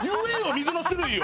水の種類を！